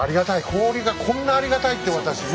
氷がこんなにありがたいって私ね。